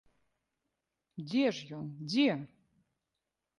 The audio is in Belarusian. Дзе ж ён, дзе!